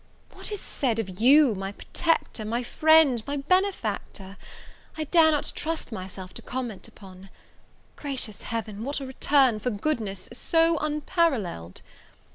What is said of you, my protector, my friend, my benefactor! I dare not trust myself to comment upon. Gracious Heaven! what a return for goodness so unparalleled!